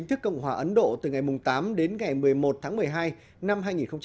chủ tịch cộng hòa ấn độ từ ngày tám đến ngày một mươi một tháng một mươi hai năm hai nghìn một mươi sáu